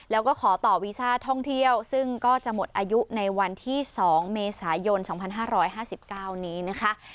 แล้วก็ขอต่อวีซ่าท่องเที่ยวซึ่งก็จะหมดอายุในวันที่๒เมษายน๒๕๕๙นี้นะคะ